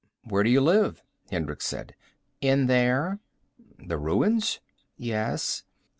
"Where do you live?" Hendricks said. "In there." "The ruins?" "Yes."